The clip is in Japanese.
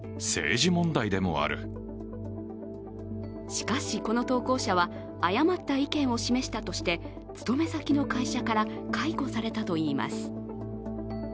しかし、この投稿者は誤った意見を示したとして勤め先の会社から解雇されたといいます。